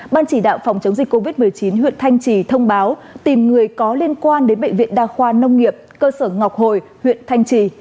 ban chỉ đạo phòng chống dịch covid một mươi chín huyện thanh trì thông báo tìm người có liên quan đến bệnh viện đa khoa nông nghiệp cơ sở ngọc hồi huyện thanh trì